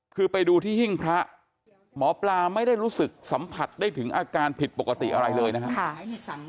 คือไปดูที่หิ้งพระหมอปลาไม่ได้รู้สึกสัมผัสได้ถึงอาการผิดปกติอะไรเลยนะครับ